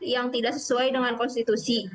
yang tidak sesuai dengan konstitusi